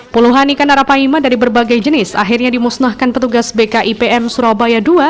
puluhan ikan arapaima dari berbagai jenis akhirnya dimusnahkan petugas bkipm surabaya ii